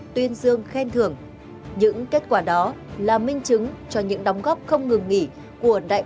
tuyên dương khen thưởng những kết quả đó là minh chứng cho những đóng góp không ngừng nghỉ của đại